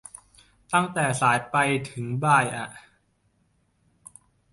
ตั้งแต่สายไปถึงบ่ายอ่ะ